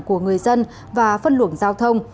của người dân và phân luận giao thông